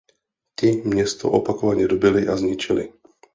Ti město opakovaně dobyli a zničili.